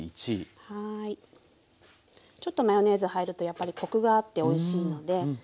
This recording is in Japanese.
ちょっとマヨネーズ入るとやっぱりコクがあっておいしいので。